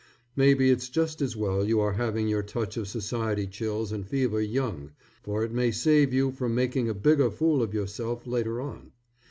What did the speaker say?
Maybe it's just as well you are having your touch of society chills and fever young, for it may save you from making a bigger fool of yourself later on.